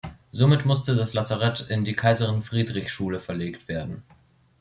Somit musste das Lazarett in die Kaiserin-Friedrich-Schule verlegt werden.